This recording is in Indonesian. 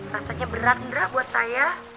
rasanya berat enggak buat saya